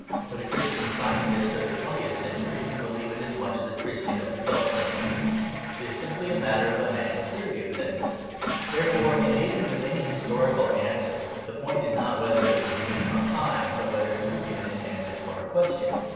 But a Christian Scientist of the twentieth century can believe it as much as a Christian of the twelfth century. It is simply a matter of a man's theory of things. Therefore in dealing with any historical answer, the point is not whether it was given in our time, but whether it was given in answer to our question.